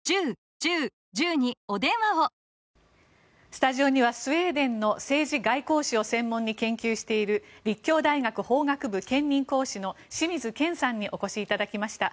スタジオにはスウェーデンの政治外交史を専門に研究している立教大学法学部兼任講師の清水謙さんにお越しいただきました。